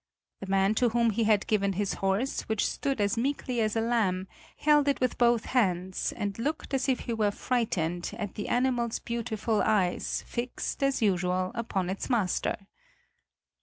The man to whom he had given his horse, which stood as meekly as a lamb, held it with both hands and looked as if he were frightened at the animal's beautiful eyes fixed, as usual, upon its master.